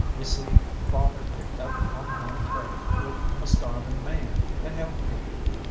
You see, father picked up on the home trail with a starving man, and helped him.